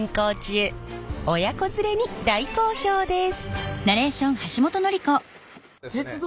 親子連れに大好評です。